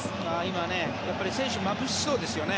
今、選手まぶしそうですよね。